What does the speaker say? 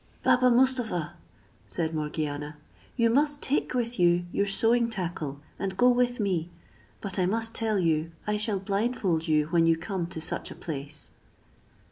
"Baba Mustapha," said Morgiana, "you must take with you your sewing tackle, and go with me; but I must tell you, I shall blindfold you when you come to such a place."